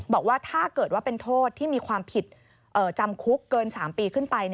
บอกว่าถ้าเกิดว่าเป็นโทษที่มีความผิดจำคุกเกิน๓ปีขึ้นไป